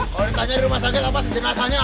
kalau ditanya di rumah sakit apa sedilasannya ada